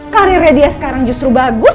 karirnya dia sekarang justru bagus